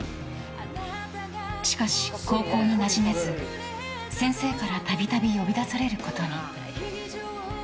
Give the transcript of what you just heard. しかし、高校になじめず先生からたびたび呼び出されることに。